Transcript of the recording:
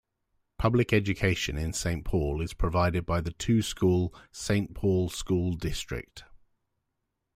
Public education in Saint Paul is provided by the two-school Saint Paul School District.